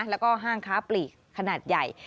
แล้วก็ห้างค้าปลีกขนาดใหญ่